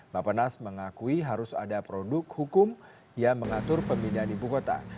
bapak nas mengakui harus ada produk hukum yang mengatur pemindahan ibu kota